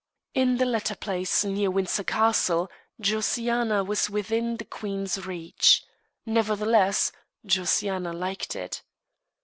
In the latter palace, near Windsor Castle, Josiana was within the queen's reach. Nevertheless, Josiana liked it.